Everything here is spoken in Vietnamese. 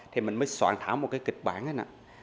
thì mình mới soạn thảo một kịch bản